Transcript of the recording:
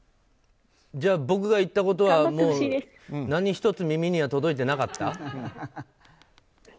じゃあ僕が言ったことは何一つ耳には届いてなかった。